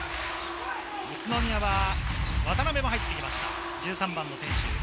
宇都宮は渡邉も入ってきました、１３番の選手。